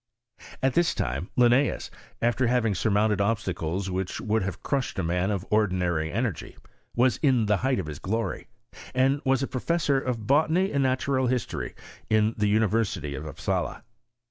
At this time lionEeus, after having surmounted obstacles which would have crushed a man of or dinary energy, was in the height of his glory ; and was professor of botany and natural history in the University of Upsala.